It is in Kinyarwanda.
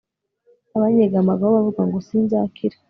abanyigambaho bavuga ngo sinzakira